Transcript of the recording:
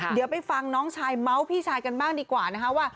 เดี๋ยวไปฟังน้องชายเมาส์พี่ชายกันบ้างดีกว่านะคะว่า